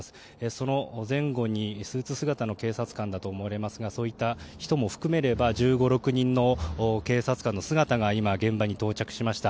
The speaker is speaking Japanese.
その前後にスーツ姿の警察官だと思われますがそういった人も含めれば１５１６人の警察官の姿が現場に到着しました。